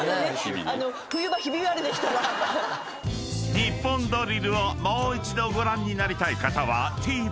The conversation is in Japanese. ［『ニッポンドリル』をもう一度ご覧になりたい方はＴＶｅｒで］